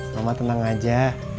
mama tenang aja